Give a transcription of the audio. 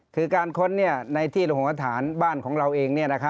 คือการค้นในที่ระหงษฐานบ้านของเราเอง